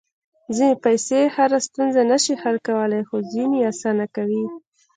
پېسې هره ستونزه نه شي حل کولی، خو ځینې اسانه کوي.